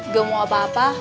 gak mau apa apa